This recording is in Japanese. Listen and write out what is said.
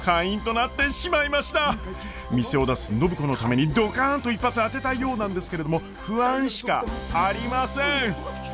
店を出す暢子のためにドカンと一発当てたいようなんですけれども不安しかありません！